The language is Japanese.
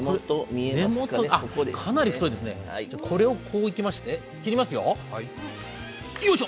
かなり太いですね、これをこういきまして切りますよ、よいしょ！